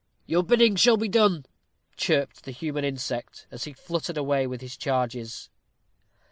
"Your bidding shall be done," chirped the human insect, as he fluttered away with his charges.